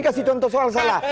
kasih contoh soal salah